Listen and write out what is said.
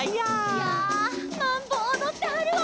「いゃあマンボおどってはるわ」